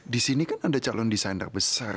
di sini kan ada calon desainer besar